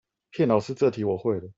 騙老師這題我會了